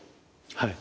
はい。